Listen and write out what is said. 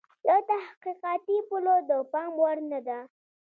له تحقیقاتي پلوه د پام وړ نه ده.